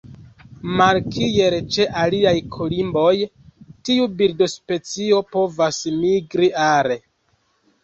Malkiel ĉe aliaj kolimboj, tiu birdospecio povas migri are.